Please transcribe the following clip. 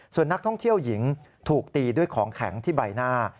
ส่วนนักท่องเที่ยวหญิงถูกตีด้วยของแข็งที่ใบหน้า